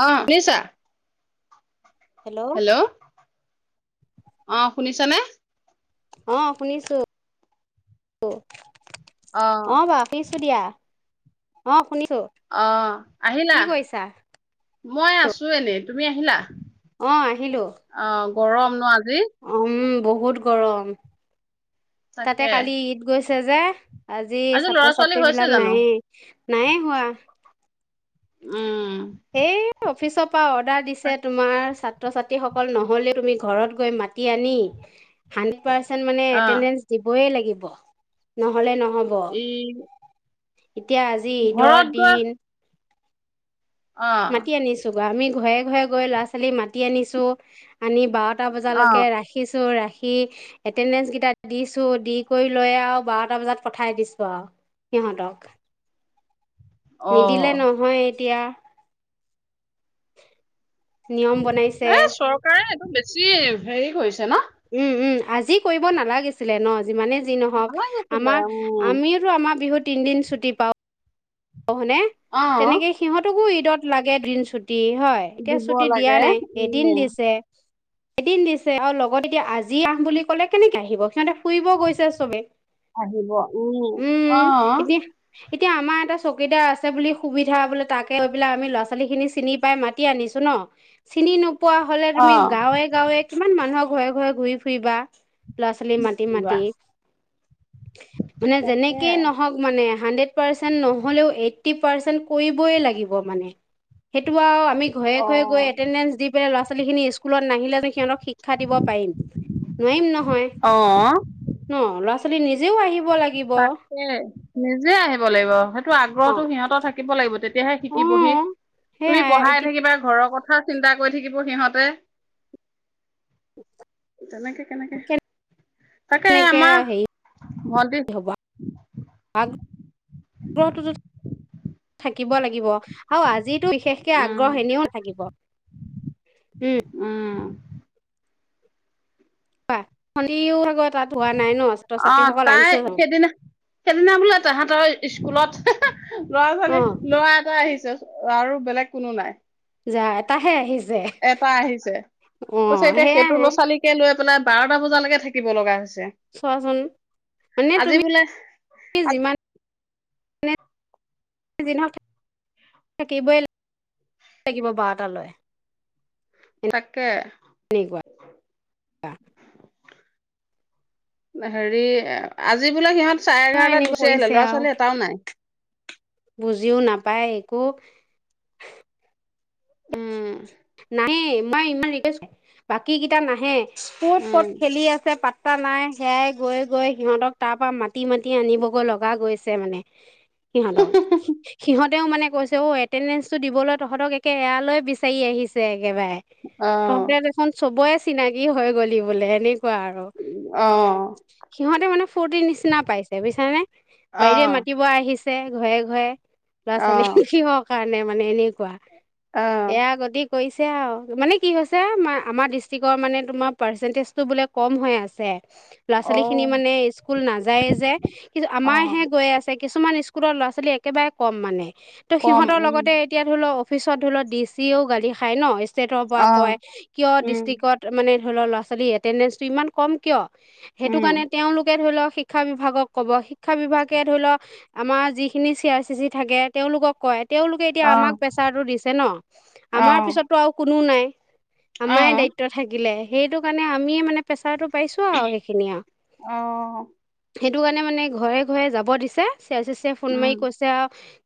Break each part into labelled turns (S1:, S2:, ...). S1: অহ, শুনিছা? হেল্ল' অ', শুনিছা নে?
S2: অ, শুনিছো। অ', বা ৰাখিছোঁ দিয়া। অ শুনিছো
S1: অহ',
S2: কি
S1: আহিলা?
S2: কৰিছা
S1: মই আছো এনে। তুমি আহিলা?
S2: অ, আহিলো।
S1: অ', গৰম ন' আ জি।
S2: উম বহুত গৰম। তাতে
S1: তাকে,
S2: কালি ঈদ গৈছ ছে যে। আজি
S1: ল'ৰা
S2: ছাত্ৰ
S1: ছোৱালী
S2: ছাত্ৰী
S1: হৈছে
S2: বিলাক
S1: জানো?
S2: নাইয়ে, নায়ে হোৱা।
S1: উম'।
S2: ফিচপ কিবা অৰ্ডাৰ দিছে তোমাৰ ছাত্ৰ ছাত্ৰীসকল নহ'লে তুমি ঘৰত গৈ মাতি আনি পাৰচেণ্ট মানে
S1: অ',
S2: এটটেনেন্স দিবইে লাগে ন'হলে নহ
S1: এই
S2: এতিয়া আজি ঈদৰ দিন।
S1: অ',
S2: মাতি আনিছোঁ। আমি ঘৰে ঘৰে গৈ ল'ৰা-ছোৱালী মাতি আনিছোঁ, আনি বাৰত এটা
S1: অ',
S2: বজালৈকে ৰাখিছোঁ। ৰাখি কি, এটেনডেঞ্চকেইটা দিছোঁ। দি কৰি লৈ আৰু বাৰটা বজাত পঠাই দিছোঁ আৰু সিহঁতক নিদিলে
S1: অ',
S2: নহয় এতিয়া। [unintelligible] নিয়ম বনাইছে
S1: এ চৰকাৰে এইটো বে ছি হেৰি কৰিছে ন?
S2: উম উম আজি কৰিব নালাগিছিলে ন। যিমানে যি নহওক
S1: নালাগিছিলে
S2: আমাৰ
S1: উম,
S2: আমিওো আমাৰ বিহুত তিনিদিন ছুটি পাওঁ হনে
S1: অ',
S2: তেনেকে সিহঁতকো দিনত লাগে ড্ৰিন চুটি ছুটি হয় এতিয়া
S1: দিব
S2: ছুটি দিয়া
S1: লাগে
S2: নাই এদিন
S1: উম,
S2: দিছে এদিন দিছে আৰু লগত এতিয়া আজি আহ বুলি ক'লে কেনেকে আহিব সিহঁতে ফুৰিব গৈছে চবে।
S1: আহিব উ
S2: উম
S1: আহ
S2: এতিয়া এতিয়া আমাৰ এটা চকীদাৰ আছে বুলি সুবিধা বোলে তাকে পেলাক আমি ল'ৰা ছোৱালী খিনি চিনি পাই মাতি আনিছো ন চিনি ন'। পোৱা হ'লে তুমি
S1: অ',
S2: গাঁৱে গাঁৱে কিছুমান মানুহৰ ঘৰে ঘৰে ঘূৰি ফুৰিবা ছোৱালি মাটি
S1: কিবা
S2: মাটি। মানে
S1: তাকে
S2: যেনেকেই নহওক মানে হাড্ৰেড পাৰ্চেন্ট ন নহ'লেও এট্টি পাৰ্চেন্ট কৰিবলৈ লাগিব মানে, এইটো আৰু আমি ঘৰে ঘৰে গৈ
S1: অ'।
S2: এটেণ্ডেঞ্চ দি পেলাই ল [inaudible] স্কুলত নাহিলে যে সিহঁতক শিক্ষা দিব পাৰিম নোৱাৰিম নহয়
S1: অ',
S2: ন লৰা আপুনি নিজেও আহিব লাগিব
S1: তাকে নিজে আহিব লাগিব সেইটো আ
S2: অ
S1: আগ্ৰহতো সিহঁতৰ থাকিব লাগিব তেতিয়া তেতিয়াহে
S2: অ
S1: শিকিবহি, তুমি
S2: সেয়াই
S1: পঢ়াই
S2: এতিয়া
S1: থাকিবা ঘৰৰ কথা কথা চিন্তা কৰি থাকিব সিহঁতে তেনেকে কেনেকে, তাকে
S2: কেনেকে
S1: আমাৰ
S2: হেৰি
S1: ভণ্টি,
S2: হব আগ্ৰহটোতো থাকিব লাগিব। আৰু আজিটো বিশেষকে
S1: উম,
S2: আগ্ৰহ এনেও থাকিব, উম। বা ফণিও আগত
S1: অ', তাই সেইদিনা, সেইদিনা বোলে তাহাঁতৰ ইস্কুলত
S2: অ
S1: ল'ৰা-ছোৱালী, ল'ৰা এটা আহিছে আৰু বেলেগ কোনো নাই।
S2: যা, এটাহে আহিছ
S1: এটা আহিছে। কৈছে এতিয়া সেইটো ল'ৰা
S2: সেয়াই
S1: ছোৱালীকে লৈ পেলাই বাৰটা বজালৈকে থাকিব লগা হৈছে।
S2: চোৱাচোন, মানে
S1: আজি
S2: তুমি
S1: বোলে
S2: যিমান যিমানে যি নহওঁক, থাকিবই লাগিব, বাৰটা লৈ।
S1: তাকে।
S2: তেনেকুৱা।
S1: হেৰি, আজি বোলে সিহঁত চাৰে এঘাৰটাত
S2: এনেকুৱা
S1: গুচি
S2: কৰিছে
S1: আহিলে, ল'ৰা
S2: আৰু
S1: ছোৱালী এটাও নাই।
S2: বুজিও নাপায় একো
S1: উম।
S2: নাহে, মই ইমান ৰিকুৱেষ্ট, বাকীকেইটা নাহে। ক'ত ক'ত
S1: উম
S2: খেলি আছে পাত্তা নাই, সেয়াই গৈ গৈ সিহঁতক তাৰ পৰা মাতি, মাতি আনিবগৈ লগা গৈছে, মানে সিহঁতক, সিহঁত তেওঁ মানে কৈছে, অ', এতেনডেন্স দিবলৈ তহঁতক একে ইয়ালৈ বিচাৰি আহিছ আছে একেবাৰে
S1: অ
S2: তহতে দেখোন চবৰে চিনাকি হৈ গ'লি বোলে এনে কোৱা আৰু,
S1: অ
S2: সিহঁতে মানে ফূুৰ্তি নিচিনা পাইছে বুজিছা নে
S1: অ
S2: বাইদেউ এ মাতিব আহিছে আহিছে ঘৰে ঘৰে। ল'ৰা
S1: অ
S2: ছোৱালী কি হওঁক কাৰণে মানে এনেকুৱা
S1: অ
S2: এয়া গতি। কৰিছে আৰু মানে কি হৈছে আম আমাৰ ডিষ্ট্ৰিকৰ মানে তোমাৰ পাৰ্চেণ্টেজটো বোলে কম হৈ আছে ল'ৰা
S1: অ
S2: ছোৱালী খিনি মানে স্কুল নাযায়ে যে কিন্তু
S1: অ
S2: আমাৰ হে গৈ আছে। কিছুমান স্কুলৰ ল'ৰা ছোৱালী একেবাৰে কম মানে। ত'
S1: কম
S2: সিহঁতৰ
S1: উম
S2: লগতে এতিয়া ধৰি লও। অফিচত ধৰিও ডি চি এও গালি খাই ন। ষ্টেটৰ পৰা
S1: অ
S2: কয় কিয়
S1: উম
S2: ডিষ্ট্ৰিকত মানে ধৰি লও ল' ছোৱালী এটেডেঞ্চটো ইমান কম কিয়? সেইটো
S1: উম
S2: কাৰণে তেওঁওলোকে ধৰি লওক। শিক্ষা বিভাগক কব শিক্ষা বিভাগে ধৰি লওক আমাৰ যিখিনি চি আৰ চি চি থাকে তেওঁওলোকক কয়। তেওঁলোকে এতিয়া
S1: অ
S2: আমাক প্ৰেছাৰটো দিছে ন।
S1: অ
S2: আমাৰ কোনো নাই।
S1: অ
S2: আমাৰ দায়িত্ব থাকিলে। সেইটো কাৰণে আমিয়ে মানে প্ৰেছাৰটো পাইছো আৰু সেই খিনি আও।
S1: অ
S2: সেইটো কাৰণে মানে ঘৰে ঘৰে যাব দিছে চ আছে চ ফোন
S1: উম
S2: মাৰি কৈছে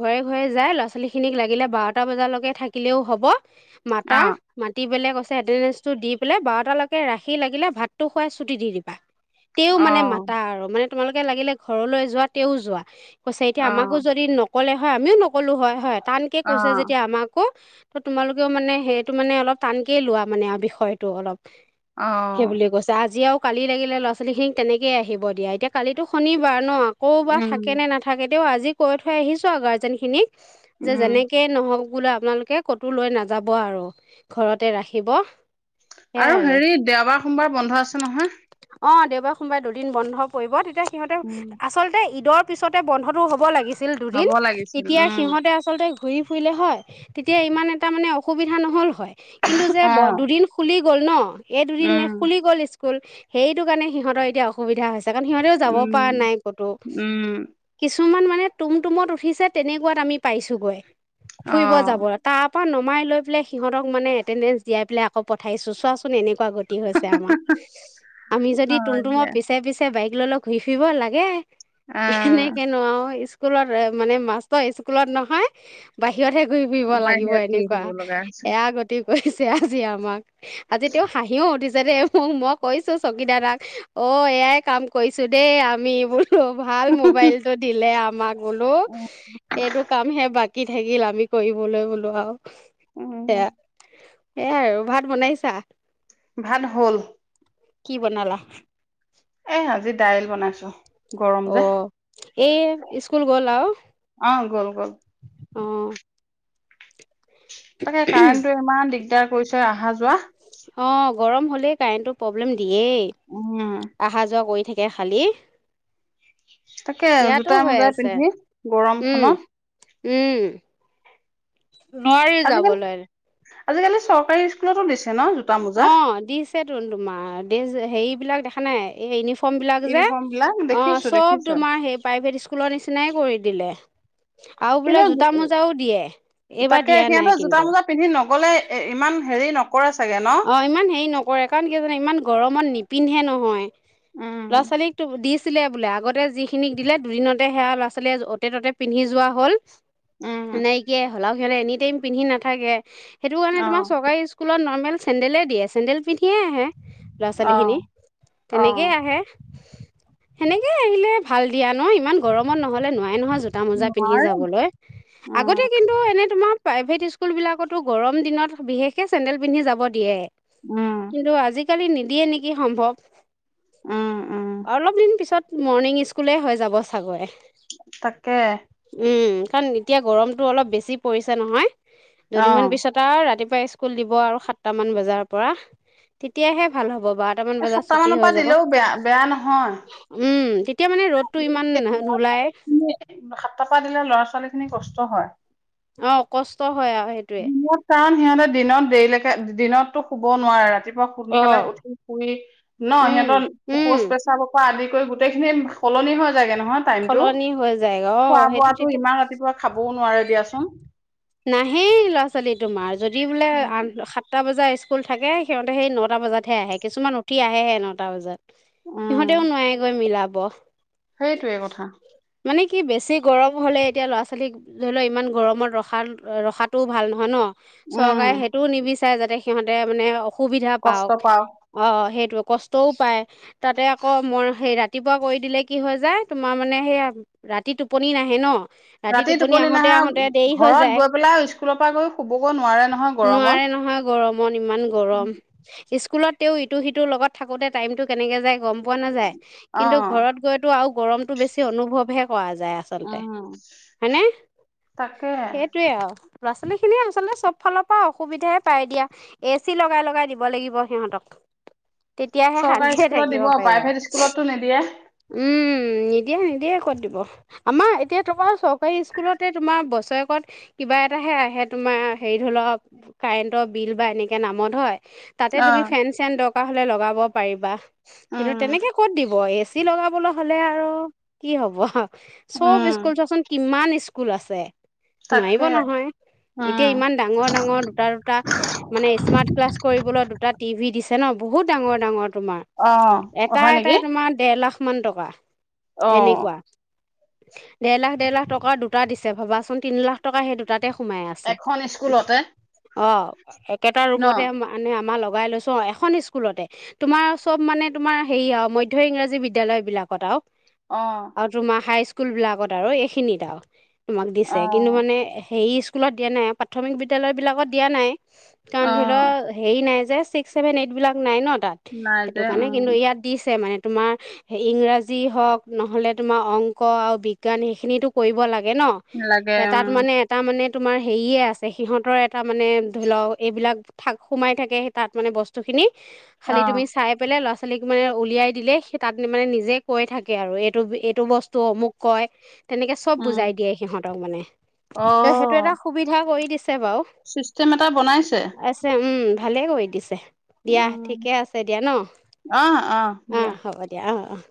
S2: ঘৰে ঘৰে যাই ল'ৰা ছোৱালী খিনিক লাগিলে বাৰটা বজালৈকে থাকিলেও হ'ব মাতা
S1: অ
S2: মাটি বেলেগ আছে। এটেনদেন্স দি পাই বাৰটালৈকে ৰাখি লাগিলে ভাতটো খুৱাই চুটি দি দিবা। তেও
S1: অ
S2: মানে মাতা আৰু মানে। তোমালোকে লাগিলে ঘৰলৈ যোৱা তেও যোৱা। কৈছে এতিয়া
S1: অ
S2: আমাকো যদি‌ নক ক'লে হয়, আমিও নক'লোঁ হয়, হয়? টানকে
S1: অ
S2: কৈছে যেতিয়া আমাকো। ত' তোমালোকেও মানে সেইটো মানে অলপ টানকেই লোৱা মানে আৰু বিষয়টো অলপ।
S1: অ
S2: সেইবুলিয়ে কৈছে আজি আৰু কালি লাগিলে ল'ৰা ছোৱালী খিনিক তেনেকেয়ে আহিব দিয়া এতিয়া কালিতো শনিবাৰ ন। আকৌ বা
S1: উম
S2: থাকে নে নাথাকে। তেওঁ আজি কৈ থৈ আহিছোঁ আৰু গাৰ্জেনখিনিক। যে
S1: উম
S2: যেনেকে নহওঁক শুলে আপোনালোকে। কতো লৈ নাযাব আৰু ঘৰতে ৰাখিব।
S1: আৰু হেৰি দেওবাৰ সোমবাৰ বন্ধ আছে নহয়।
S2: অ দেওবাৰে সোমবাৰে দুদিন বন্ধ পৰিব। সিহঁতে
S1: উম
S2: আচলতে ঈদৰ। পিছতে বন্ধটো হ'ব লাগিছে। ছিল দুদিন
S1: হ'ব লাগিছিল
S2: এতিয়া
S1: উম
S2: সিহঁতে আচলতে। ঘুৰি ফুৰিলে হয়। তিয়া ইমান এটা মানে অসুবিধা নহ'ল হয়। কিন্তু যে
S1: অ
S2: দুদিন খুলি গ'ল ন? এই দুদিনে
S1: উম
S2: খুলি গ'ল। স্কুল সেইটো কাৰণে সিহঁতৰ এতিয়া অসুবিধা হৈছে। কাৰণ সিহঁতেও যাব পৰা
S1: উম
S2: নাই ক'তো।
S1: উম
S2: কিছ ওমান মানে তুম তুমত উঠিছে, তেনেকুৱাত আমি পাইছোঁগৈ। ফুৰিব
S1: অ'
S2: যাব তাৰ নমাই লৈ পেলে সিহঁতক মানে এটেডেন্ঞ্চ দিয়াই পেলাই আকৌ পঠাইছো চোৱা চোন এনেকুৱা গতি হৈছে আমাৰ আমি যদি
S1: হয়
S2: তুমটুমৰ
S1: দিয়া
S2: পিছে পিছে বাইক। ল লৈ ঘূই‌ ফুইব লাগে
S1: আহ
S2: এনেকে নু আও স্কুলত মানে মাষ্টৰ স্কুলত নহয় বাহ। ইয়াতহে ঘুৰি ফুৰিব লাগ লাগিব
S1: বাহিৰত ঘূৰি
S2: এনেকুৱা
S1: ফুৰিব লগা হৈছে।
S2: এয়া গতি। হৈ চে আজি আমাক। আজি তেওঁ হাঁহিও উঠিছে। যে মোক মই কৈছো চকীদাদাক অ এয়াই কাম কৰিছো দেই আমি এইবোৰ। অ' ভাল মোবাইলটো দিলে আও মা গলো
S1: উম
S2: এইটো কামহে বাকী থাকিল আমি কৰিবলৈ বোলো। [inaudible] [inaudible]
S1: উম
S2: এয়াই আৰু ভাত বনাইছা?
S1: ভাত হ'ল।
S2: কি বনালা।
S1: এ আজি দাইল বনাইছো। গৰম যে
S2: অ', এই স্কুল গ'ল আৰু।
S1: অ গ'ল গ'ল
S2: অ'।
S1: তাকে কাৰেণ্টটো ইমান দিগদাৰ। কৈছে অহা যোৱা।
S2: অ'। গৰম হ'লে কাৰেণ্টো প্ৰব্লেম দিয়েই
S1: উম
S2: অহা যোৱা কৰি থাকি তাকে খালী
S1: তাকে জোতাই মোজাই পিন্ধি গৰম
S2: উম
S1: খনত
S2: উম। নোৱাৰি
S1: আজিকালি
S2: যাবলৈ।
S1: আজিকালি চৰকাৰী স্কুলতো দিছে ন' জো
S2: অ', দিছ তোমাৰ ড্ৰেছ হেৰি বিলাক দেখা নাই এই ইউফৰ্ম ফৰ্ম বিলাক যে
S1: ইউনিফৰ্ম বিলাক
S2: অ',
S1: দেখিছো
S2: চব
S1: দেখিছো
S2: তোমাৰ সেই প্ৰাইভেট স্কুলৰ নিচিনাই কৰি আগিলে
S1: কিন্তু
S2: এইবাৰ
S1: তাকে
S2: দিয়া নাই
S1: সিহঁতৰ জোতা
S2: কিন্তু
S1: মোজা পিন্ধি নগ'লে এ ইমান হেৰি নক
S2: অ', ইমান হেৰি নকৰে কাৰণ কি জানে ইমান গৰমত নিপ পিন্ধে নহয়।
S1: উম
S2: ল'ৰা-ছোৱালী এটো দি ছিলে বোলে আগতে যিখিনিক দিলে দুদিনতে সেয়া ল'ৰা ছোৱালীয়ে অতে ততে পিন্ধি যোৱা হ'ল
S1: উম
S2: নাইকিয়া হলাও সিহল এনি টাইম পিন্ধি নাথাকে সেইটো কাৰণে
S1: অ
S2: তোমাৰ চৰকাৰী স্কুলত নন ইমান চেন্দেলে দিয়ে চেডেল পিন্ধিয়ে আহে। ল'ৰা-ছোৱালী খিনি
S1: অ',
S2: তেনেকেই
S1: অ'।
S2: আহে, সেনেকেই আহিলে ভাল দিয়ান নহ ইমান গৰমত নহলে নোৱাই নহয় জোতা মোজা পিন্ধি যাবলৈ আগতে
S1: উম,
S2: কিন্তু এনে তোমাৰ প্ৰাইভেট স্কুল বিলাকতো গৰম দিনত বিশেষকে চেণ্ডেল পিন্ধি যাব দিয়ে।
S1: উম,
S2: কিন্তু আজি আজিকালি নিদিয়ে নেকি সম্ভৱ
S1: উম, উম,
S2: অলপ দিন পিছত মৰ্ণিং স্কুলেই হৈ যাব চাগৈ।
S1: তাকে।
S2: উম কাৰণ এতিয়া গৰমটো অলপ বেছি পৰিছে নহয়। দুদিনমান
S1: অ',
S2: পিছত আৰু ৰাতিপ স্কুল দি হ'ব আৰু সাতটা মান বজাৰ পৰা তেতিয়াহে ভাল হ'ব। হ'ব বাৰটামান
S1: এই
S2: বজাত
S1: সাতটা
S2: ছুটি
S1: মানৰ
S2: হৈ
S1: পৰা
S2: যাব,
S1: দিলেও বেয়া, বেয়া নহয়।
S2: উম। তেতিয়া মানে ৰ'দটো ইমান নোলায়
S1: সাতটাৰ পৰা দিলে ল'ৰা-ছোৱালীক খিনি কষ্ট হয়।
S2: অ', কষ্ট হয় আৰু সেইটোৱে।
S1: দিনত কাৰণ সিহঁতে দিনত দেৰিলৈকে, দিনতো শুবও নোৱাৰে ৰাতি সোনকালে
S2: অঁ
S1: উঠি ফুৰি ন সিহঁতৰ শৌচ পেচাব পৰা আদি গোটেইখিনি সলনি হয় হয় চাগে নহয় টাইমটো
S2: সলনি হৈ যায় অঁ সেইটো
S1: খোৱা-বোৱাটো
S2: তেতিয়া
S1: ইমান ৰাতিপুৱা খাব নোৱাৰে দিয়াচোন
S2: নাহে ল'ৰা ছোৱালী তোমাৰ যদি বোলে
S1: উম,
S2: আঠ সাতটা বজা স্কুল স্কুল থাকে সিহঁতে সেই নটা বজাতহে আহে কিছুমান উঠি আহেহে নটা বজাত
S1: উম
S2: সিহঁতেও নোৱাৰেগৈ মিলাব বৱাহ [unintelligible]
S1: সেইটোৱে কথা
S2: কি বেছি গৰম হ'লে এতিয়া ল'ৰা ছোৱালী ধৰি লওক ইমান গৰমত ৰখ ভাল ৰখাটোও ভাল নহয় ন
S1: উম,
S2: চৰকাৰে সেইটোও নিবিচ চাই যাতে সিহঁতে মানে অস সুবিধা
S1: কষ্ট
S2: পাওঁক
S1: পাওঁ।
S2: অ সেই কষ্টও পায় তাতে আকৌ মই সেই ৰাতিপুৱা কৰি দিলে কি হয় যায় তোমাৰ মানে সেই ৰাতি টোপনি নাহে ন
S1: ৰাতি টোপনি
S2: আহোতে
S1: নহা
S2: আহোতে দেৰি
S1: ঘৰত
S2: হৈ
S1: ঘৰত
S2: যায়
S1: গৈ পেলাই স্কুলৰ পৰা গৈ শুবগৈ নোৱাৰে নহয় গৰমত
S2: মন ইমান গৰম স্কুলত তেওঁ ইটো সিটোৰ লগত থাকোঁতে টাইমটো কেনেকৈ যায় গম পোৱা নাযায় কিন্তু
S1: অ',
S2: ঘৰত গৈতো আৰু গৰমতটো বেছি অনুভৱ হে পোৱা যায় আচলতে,
S1: উম।
S2: হয়নে।
S1: তাকে
S2: সেইটোৱে আৰু। ল'ৰা-ছোৱালীখিনিয়ে আচলতে চব ফালৰ পৰা অসুবিধাই পাই দিয়া এ চি লগাই লগাই দিব লাগিব সিহঁতক। তেতিয়াহে
S1: চৰকাৰী
S2: শান্তিয়ে
S1: স্কুলত
S2: থাকিব
S1: দিব
S2: পাৰিব,
S1: প্ৰাইভেট স্কুলতো নিদিয়ে।
S2: উম নি দিয়ে নিদিয়ে ক'ত দিব আমাৰ এতিয়া তোমাৰ চৰকাৰী স্কুলতে তোমাৰ বচৰে ত কিবা এটাহে আহে তোমাৰ হেৰি ধৰি লওঁক কাৰেন্টৰ বিল বা এনেকে নামত হয়। তাতে তুমি
S1: অ',
S2: ফেন চেন দক থকা হ'লে লগাব পাৰিবা। কিন্তু
S1: উম।
S2: তেনেকে ক'ত দিব এই [unintelligible] লগাবলৈ হ'লে আৰু কি হ'ব? সব
S1: উম,
S2: স্কুল চোৱাচোন কিমান স্কু কুল আছে। নোৱাৰিব
S1: তাকে
S2: নহয়, এতিয়া
S1: উম,
S2: ইমান ডাঙৰ ডাঙৰ দুটা দুটা মানে স্মাৰ্ট ক্লাছ কৰিবলৈ দুটা টি ভি দিছে ন' বহুত ডাঙৰ ডাঙৰ তোমাৰ,
S1: অ',
S2: এটা
S1: হয় নেকি?
S2: এটাই তোমাৰ দেৰ লাখ মান টকা
S1: অ',
S2: এনেকুৱা দেৰ লাখ, দেৰ লাখ টকাৰ দুটা দিছে ভবাচোন তিনি লাখ টকা সেই দুটাত। তে সোমাই আছে।
S1: এখন স্কুলতে
S2: অহ, একেটা
S1: ন?
S2: ৰুমতে মানে আমাৰ লগ লগাই লৈছোঁ। অহ, এখন স্কুলতে তোমাৰ সব মানে তোমাৰ হেৰি আৰু মধ্য ইংৰাজী বিদ্যালয় বিলাকত আৰু।
S1: অ',
S2: আৰু তোমাৰ হাইস স্কুল বিলাকত আৰু এইখিনিত আৰু। তোমাক দিছে কিন্তু
S1: অ',
S2: মানে হেৰি স্কুলত দিয়া নাই, প্ৰাথমিক বিদ্য়ালয় বিলাকত দিয়া নাই। কাৰণ ধৰি লোৱা
S1: অ',
S2: হেৰি নাই যে ছিক্স, ছেভেন, এইট বিলাক নাইনত তাত
S1: নাই
S2: সেইটো
S1: যে
S2: কাৰণে কিন্তু
S1: উম,
S2: ইয়াত দিছে মানে তোমাৰ ইংৰাজী হওক নহ'লে তোমাৰ অংক আৰু বিজ্ঞান সেইখিনিতো কৰিব লাগে লাগে ন,
S1: লাগে
S2: এত তাত
S1: উম,
S2: মানে এটা মানে তোমাৰ হেৰিয়ে আছে, সিহঁতৰ এটা মানে ধৰি লওক এইবিলাক থাক সোমাই থাকে সেই তাত মানে বস্তুখিনি। খালি তুমি
S1: অ',
S2: চাই পেলাই ল'ৰা ছোৱ ছোৱালীক মানে উলিয়াই দিলে, সি তাত মানে নিজে কৈ থাকে আৰু, এইটো এইটো বস্তু অমুক কয় তেনেকৈ সব
S1: উম,
S2: বুজাই দিয়ে সিহঁতক মানে। ত সেইটো এটা
S1: অ',
S2: সুবিধা- দা কৰি দিছে। বাৰু
S1: চিষ্টেম এটা বনাইছে।
S2: আছে উম ভালে কৰি দিছে। দিয়া
S1: উম,
S2: ঠিকে আছে দিয়া ন।
S1: অ', অ',
S2: ‌
S1: দিয়া।
S2: অহ হ'ব দিয়া, অহ অহ।